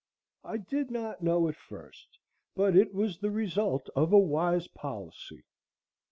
I did not know at first but it was the result of a wise policy.